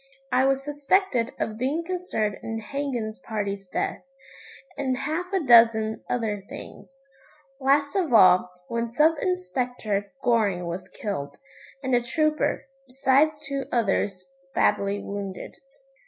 I was suspected of being concerned in Hagan's party's death, and half a dozen other things. Last of all, when Sub Inspector Goring was killed, and a trooper, besides two others badly wounded.